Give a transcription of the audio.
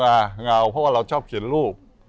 เงาเพราะว่าเราชอบเขียนรูป